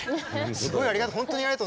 すごいありがたい。